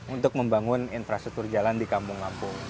untuk membangun infrastruktur jalan di kampung kampung